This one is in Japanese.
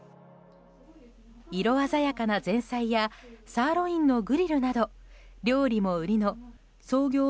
色鮮やかな前菜やサーロインのグリルなど料理も売りの創業